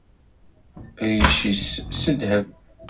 Rric-is s ddheb.